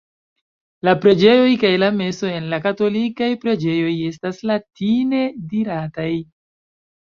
La preĝoj kaj la meso en la katolikaj preĝejoj estas latine dirataj.